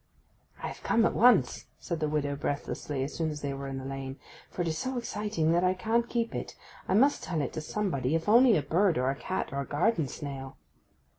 'I am come at once,' said the widow breathlessly, as soon as they were in the lane, 'for it is so exciting that I can't keep it. I must tell it to somebody, if only a bird, or a cat, or a garden snail.